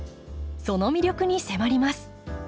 その魅力に迫ります。